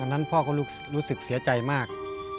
นั้นพ่อก็รู้สึกเสียใจมาก